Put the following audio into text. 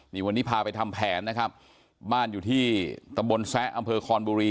นี่วันนี้พาไปทำแผนนะครับบ้านอยู่ที่ตำบลแซะอำเภอคอนบุรี